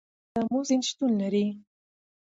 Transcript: په افغانستان کې د آمو سیند شتون لري.